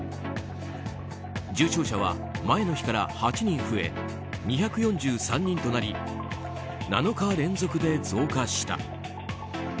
重症者は前の日から８人増え２４３人となり７日連続で増加した。